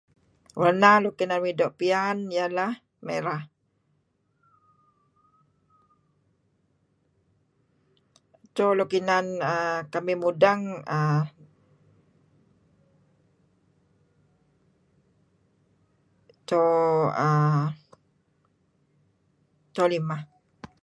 Warna nuk inan kuh doo' piyan ialah merah. Cho luk inan err kamih mudeng err cho limeh.